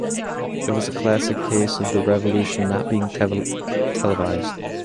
It was a classic case of the revolution not being televised.